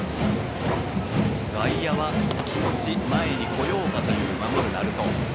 外野は気持ち前に来ようかという守る鳴門。